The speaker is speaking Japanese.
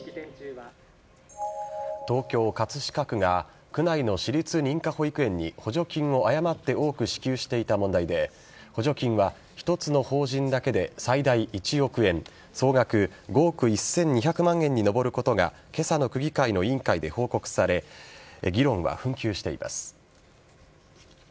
東京・葛飾区が区内の私立認可保育園に補助金を誤って多く支給していた問題で補助金は１つの法人だけで最大１億円総額５億１２００万円に上ることが今朝の区議会の委員会で報告され議論は紛糾しています。